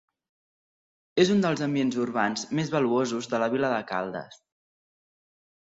És un dels ambients urbans més valuosos de la vila de Caldes.